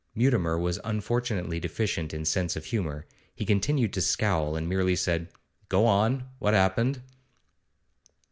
Mutimer was unfortunately deficient in sense of humour. He continued to scowl, and merely said: 'Go on; what happened?